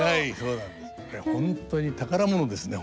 これ本当に宝物ですね